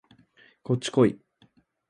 こっちこい